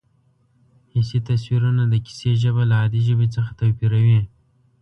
حسي تصویرونه د کیسې ژبه له عادي ژبې څخه توپیروي